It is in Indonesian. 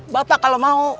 bapak kalau mau